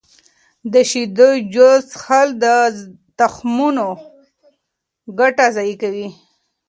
د شیدو جوس څښل د تخمونو ګټه ضایع کوي.